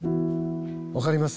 分かります？